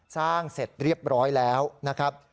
สร้างเสร็จเรียบร้อยแล้วนะครับ